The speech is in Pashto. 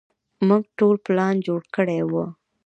موږ ټول پلان جوړ کړى و.